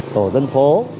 tổ dân phố